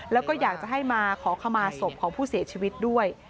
แล้วก็อยากจะให้มาขอขมาศพของผู้เสียชีวิตด้วย